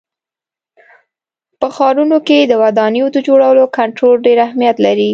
په ښارونو کې د ودانیو د جوړولو کنټرول ډېر اهمیت لري.